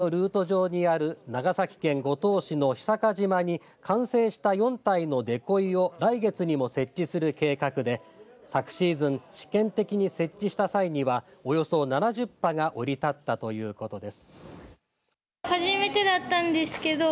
今回の取り組みではツルの渡来のルート上にある長崎県五島市の久賀島に完成した４体のデコイを来月にも設置する計画で昨シーズン、試験的に設置した際にはおよそ７０羽が降り立ったということです。